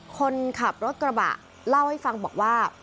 คนขับรถกระบะเล่าให้ฟังบอกว่า